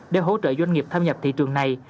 để hỗ trợ doanh nghiệp tham nhập thị trường này